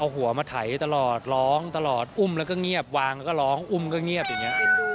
เอาหัวมาไถตลอดร้องตลอดอุ้มแล้วก็เงียบวางแล้วก็ร้องอุ้มก็เงียบอย่างนี้